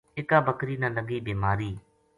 اِکابکری نا لگی بیماری